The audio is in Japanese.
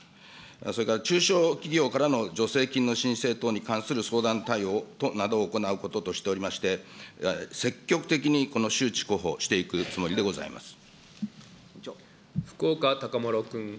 それから中小企業からの助成金の申請等に関する相談対応などを行うこととしておりまして、積極的にこの周知広報をしていくつもり福岡資麿君。